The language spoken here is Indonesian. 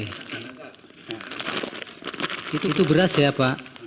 itu beras ya pak